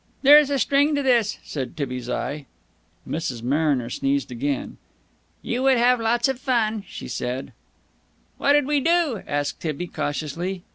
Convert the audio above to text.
"There is a string to this!" said Tibby's eye. Mrs. Mariner sneezed again. "You would have lots of fun," she said. "What'ud we do?" asked Tibby cautiously.